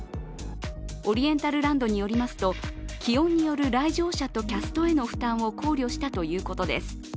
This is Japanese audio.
オリエンタルランドによりますと気温による来場者とキャストへの負担を考慮したということです。